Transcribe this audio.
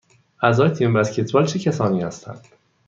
اعضای تیم بسکتبال چه کسانی هستند؟